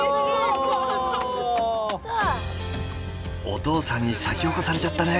お父さんに先を越されちゃったね。